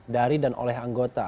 dari dan oleh anggota